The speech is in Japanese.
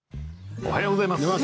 おはようございます。